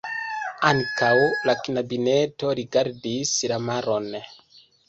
Ankaŭ la knabineto rigardis la maron.